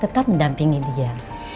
tetap mendampingi dia